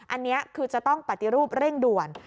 อันนี้คือจะต้องปฏิรูปเร่งด่วน